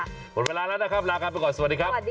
หมดเวลาแล้วนะครับลากันไปก่อนสวัสดีครับ